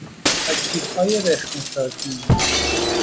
تاکتیکهای رخنهسازی